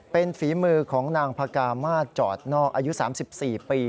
เป็นฝีมือของนางพกามาศจอดนอกอายุ๓๔ปี